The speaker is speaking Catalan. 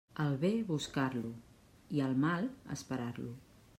El bé, buscar-lo, i el mal, esperar-lo.